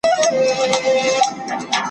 په هغه ګړې پر څټ د غوايی سپور سو ,